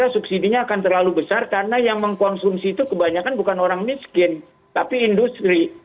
subsidinya akan terlalu besar karena yang mengkonsumsi itu kebanyakan bukan orang miskin tapi industri